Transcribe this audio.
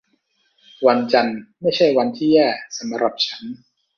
วันจันทร์ไม่ใช่วันที่แย่ที่สุดสำหรับฉัน